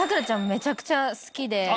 めちゃくちゃ好きで。